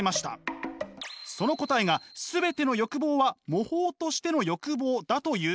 その答えが全ての欲望は模倣としての欲望だということ。